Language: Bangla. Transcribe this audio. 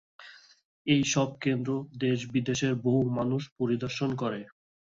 এই সব কেন্দ্র দেশ-বিদেশের বহু মানুষ পরিদর্শন করে।